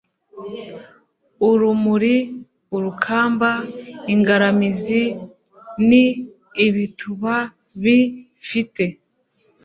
u rumina, urukamba , lngaramizi : n i ibituba bi fite